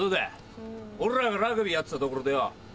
俺らがラグビーやってたところでよ